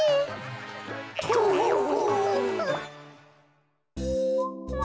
トホホ。